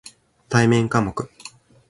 対面科目